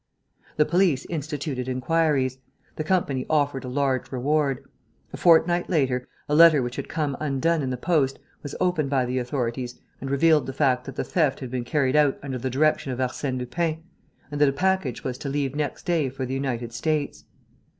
The police instituted inquiries. The company offered a large reward. A fortnight later, a letter which had come undone in the post was opened by the authorities and revealed the fact that the theft had been carried out under the direction of Arsène Lupin and that a package was to leave next day for the United States.